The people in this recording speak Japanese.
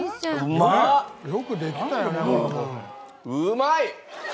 うまい！